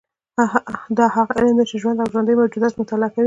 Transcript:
دا هغه علم دی چې د ژوند او ژوندیو موجوداتو مطالعه کوي